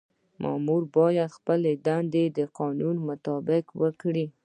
مامور باید خپله دنده د قانون مطابق وکړي.